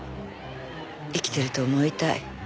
生きてると思いたい。